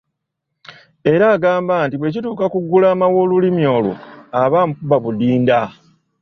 Era agamba nti bwe kituuka ku gulaama w'olulimi olwo aba amukuba buddinda.